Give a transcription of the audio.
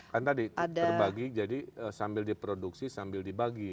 kan tadi terbagi jadi sambil diproduksi sambil dibagi